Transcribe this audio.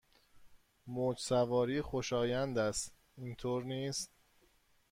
موج سواری خوشایند است، اینطور نیست؟